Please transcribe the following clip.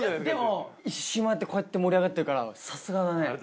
でも一周まわってこうやって盛り上がってるからさすがだね。